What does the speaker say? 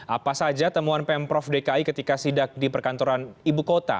apa saja temuan pemprov dki ketika sidak di perkantoran ibu kota